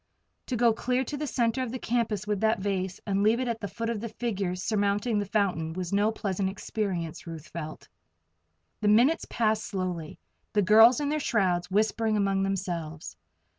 To go clear to the center of the campus with that vase, and leave it at the foot of the figure surmounting the fountain, was no pleasant experience, Ruth felt. The minutes passed slowly, the girls in their shrouds whispering among themselves.